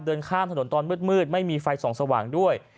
เดินข้ามถนนตอนมืดไม่มีไฟส่องสว่างด้วย